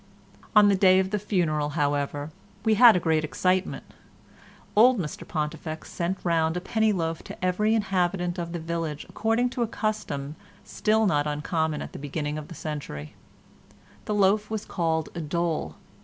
On the day of the funeral, however, we had a great excitement; old Mr Pontifex sent round a penny loaf to every inhabitant of the village according to a custom still not uncommon at the beginning of the century; the loaf was called a dole.